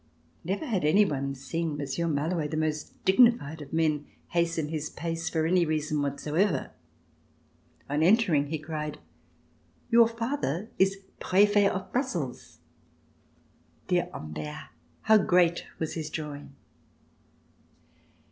Never had any one seen Monsieur Malouet, the most dignified of men, hasten his pace for any reason whatsoever. On enter ing he cried: "Your father is Prefet of Brussels!" Dear Humbert, how great was his joy!